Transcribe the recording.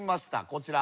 こちら。